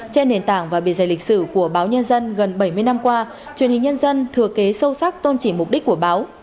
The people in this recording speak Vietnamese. trên nền tảng và bề dày lịch sử của báo nhân dân gần bảy mươi năm qua truyền hình nhân dân thừa kế sâu sắc tôn trì mục đích của báo